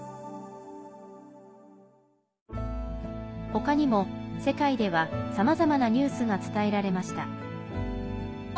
他にも、世界ではさまざまなニュースが伝えられました。